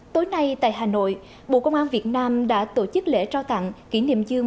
tối nay tại hà nội bộ công an việt nam đã tổ chức lễ trao tặng kỷ niệm dương